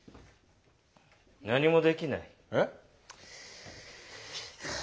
何もできない？え？